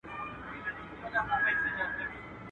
يا موړ مړی، يا غوړ غړی.